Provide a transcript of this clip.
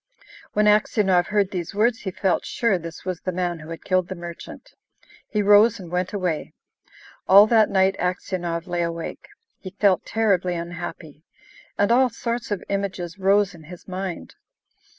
When Aksionov heard these words, he felt sure this was the man who had killed the merchant. He rose and went away. All that night Aksionov lay awake. He felt terribly unhappy, and all sorts of images rose in his mind.